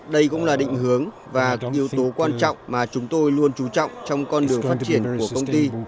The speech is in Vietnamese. đây cũng là định hướng và yếu tố quan trọng mà chúng tôi luôn trú trọng trong con đường phát triển của công ty